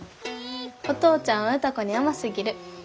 お父ちゃんは歌子に甘すぎる。